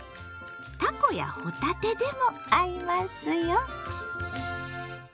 たこやほたてでも合いますよ。